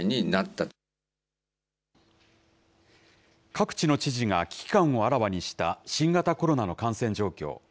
各地の知事が危機感をあらわにした、新型コロナの感染状況。